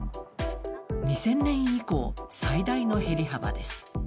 ２０００年以降、最大の減り幅です。